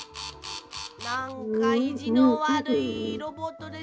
なんかいじのわるいロボットです。